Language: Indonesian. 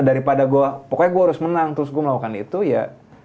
daripada gue pokoknya gue harus menang terus gue melakukan itu ya